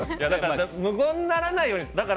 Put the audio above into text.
無言にならないようにする。